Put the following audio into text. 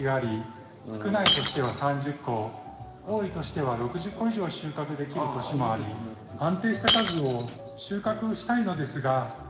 ただ毎年以上収穫できる年もあり安定した数を収穫したいのですが。